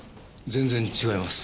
全然違います。